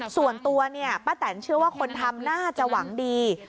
ส่วนตัวเนี่ยป้าแตนเชื่อว่าคนทำน่าจะหวังดี